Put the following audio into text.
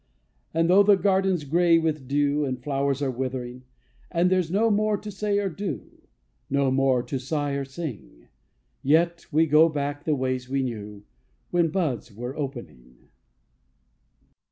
So 'though the garden's gray with dew, And flowers are withering, And there's no more to say or do, No more to sigh or sing, Yet go we back the ways we knew When buds were opening.